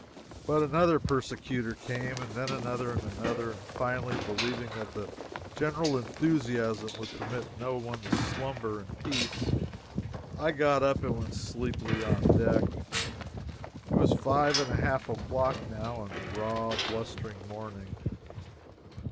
But another persecutor came, and then another and another, and finally believing that the general enthusiasm would permit no one to slumber in peace, I got up and went sleepily on deck. It was five and a half o'clock now, and a raw, blustering morning.